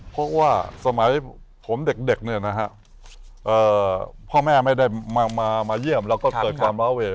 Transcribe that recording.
เพราะว่าสมัยผมเด็กเนี่ยนะฮะพ่อแม่ไม่ได้มาเยี่ยมแล้วก็เกิดความว้าเว